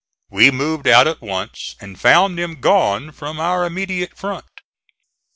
We moved out at once, and found them gone from our immediate front.